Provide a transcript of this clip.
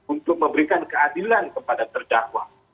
untuk memberikan keadilan kepada terdakwa